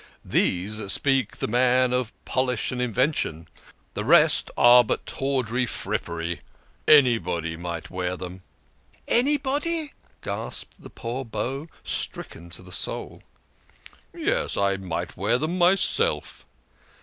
These speak the man of polish and invention ; the rest are but tawdry frippery. Anybody might wear them." " Anybody !" gasped the poor Beau, stricken to the soul. " Yes, I might wear them myself."